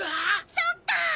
そっか！